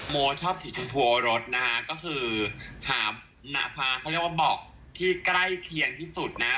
โมชอบสีชมพูรสนะคะก็คือถามเขาเรียกว่าเบาะที่ใกล้เคียงที่สุดนะฮะ